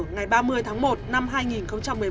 ngày ba mươi tháng một năm hai nghìn một mươi bốn